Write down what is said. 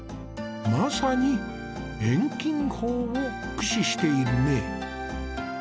まさに遠近法を駆使しているね。